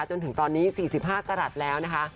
จนถึงตอนนี้๔๕กรัฐแล้วนะคะ